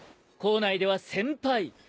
校内では先輩。